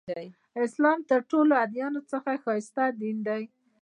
اسلام تر ټولو ادیانو څخه ښایسته دین دی.